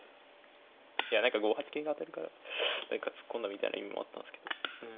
いや何か５八桂が当たるから突っ込んだみたいな意味もあったんですけど。